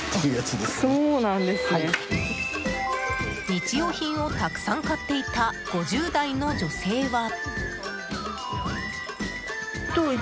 日用品をたくさん買っていた５０代の女性は。